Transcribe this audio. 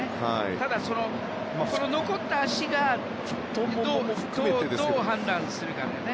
ただ、残った足をどう判断するかだよね。